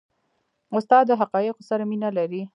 استاد د حقایقو سره مینه لري.